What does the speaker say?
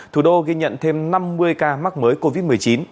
thủ đô ghi nhận thêm năm mươi ca mắc mới covid một mươi chín